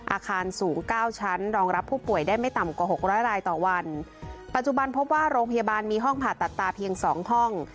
อาคารสูงเก้าชั้นรองรับผู้ป่วยได้ไม่ต่ำกว่าหกร้อยรายต่อวันปัจจุบันพบว่าโรงพยาบาลมีห้องผ่าตัดตาเพียงสองห้อง